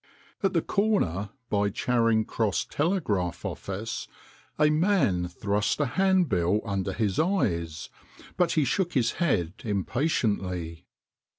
At the corner by Charing Cross Tele graph Office a man thrust a handbill under his eyes, but he shook his head impatiently.